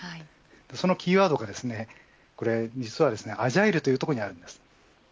そのキーワードが実はアジャイルというところにあるんです。